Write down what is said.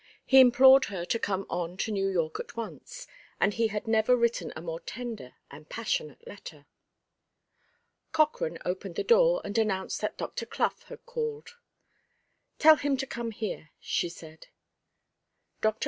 He implored her to come on to New York at once; and he had never written a more tender and passionate letter. Cochrane opened the door, and announced that Dr. Clough had called. "Tell him to come here," she said. Dr.